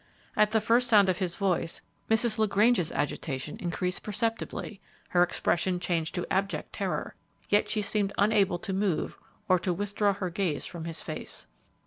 At the first sound of his voice, Mrs. LaGrange's agitation increased perceptibly; her expression changed to abject terror, yet she seemed unable to move or to withdraw her gaze from his face.